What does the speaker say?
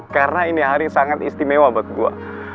karena ini hari yang sangat istimewa buat gue